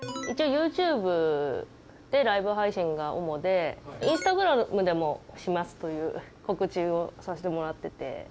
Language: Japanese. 一応ユーチューブでライブ配信が主で、インスタグラムでもしますという告知をさせてもらってて。